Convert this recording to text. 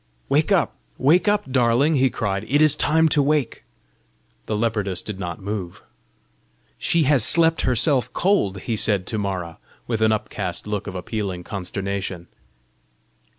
"Wake up, wake up, darling!" he cried; "it is time to wake!" The leopardess did not move. "She has slept herself cold!" he said to Mara, with an upcast look of appealing consternation.